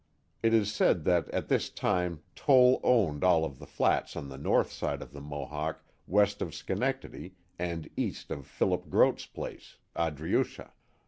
It is said that at this time Toll owned all of the flats on the north side of the Mohawk west of Schenectady and east of Philip Groot's place, Adriucha.